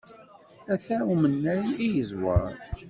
Ata umennay i yeẓwer!